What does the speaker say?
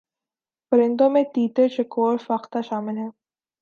پرندوں میں تیتر چکور فاختہ شامل ہیں